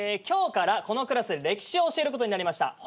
今日からこのクラスで歴史を教えることになりました。